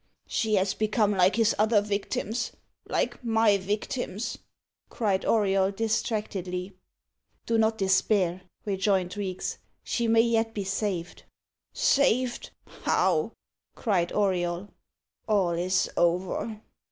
"She has become like his other victims like my victims!" cried Auriol distractedly. "Do not despair," rejoined Reeks. "She may yet be saved." "Saved! how?" cried Auriol. "All is over."